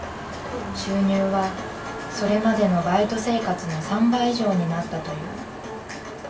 収入はそれまでのバイト生活の３倍以上になったという。